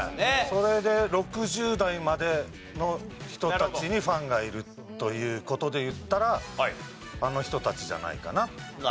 それで６０代までの人たちにファンがいるという事でいったらあの人たちじゃないかな。